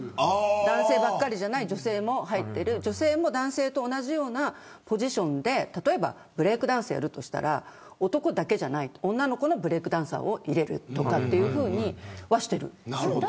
男性ばっかりじゃない女性も入っている女性も男性と同じようなポジションで例えばブレークダンスをやるとしたら男だけじゃなく女の子のブレークダンサーを入れるとかというふうにはしている。